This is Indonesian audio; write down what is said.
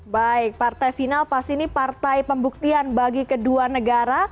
baik partai final pasti ini partai pembuktian bagi kedua negara